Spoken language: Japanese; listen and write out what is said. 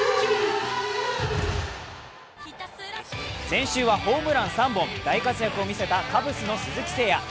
先週はホームラン３本、大活躍を見せたカブスの鈴木誠也。